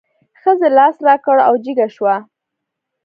ښځې لاس را کړ او جګه شوه.